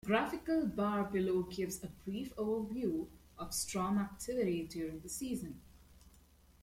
The graphical bar below gives a brief overview of storm activity during the season.